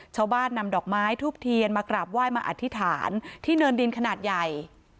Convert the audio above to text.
ชาวบ้านนำดอกไม้ทูบเทียนมากราบไหว้มาอธิษฐานที่เนินดินขนาดใหญ่